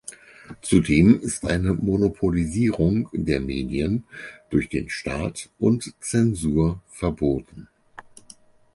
Zudem ist eine Monopolisierung der Medien durch den Staat und Zensur verboten.